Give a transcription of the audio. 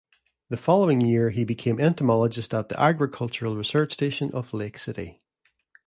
The following year, he became entomologist at the Agricultural Research station of Lake City.